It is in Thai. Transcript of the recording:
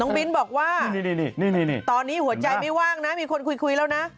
มิ้นบอกว่านี่ตอนนี้หัวใจไม่ว่างนะมีคนคุยแล้วนะ